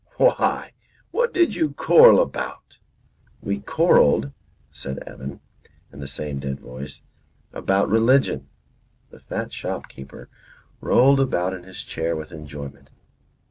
Why, what did you quarrel about?" "We quarrelled," said Evan, in the same dead voice, "about religion." The fat shopkeeper rolled about in his chair with enjoyment.